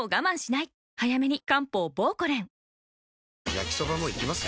焼きソバもいきます？